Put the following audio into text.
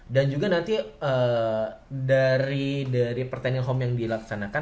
dan juga nanti dari pertanding home yang dilaksanakan